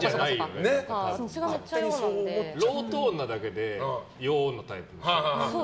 ロートーンなだけで陽なタイプ？